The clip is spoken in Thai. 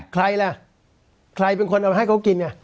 ใครล่ะใครเป็นคนเอามาให้เขากิน